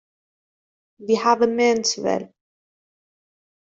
We have meant well.